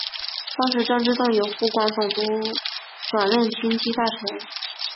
当时张之洞由湖广总督转任军机大臣。